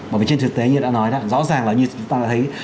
bởi vì trên thực tế như đã nói đó rõ ràng là như chúng ta đã thấy